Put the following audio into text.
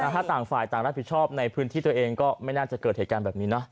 ถ้าต่างฝ่ายต่างรับผิดชอบในพื้นที่ตัวเองก็ไม่น่าจะเกิดเหตุการณ์แบบนี้นะ